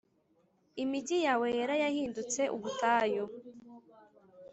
Imigi yawe yera yahindutse ubutayu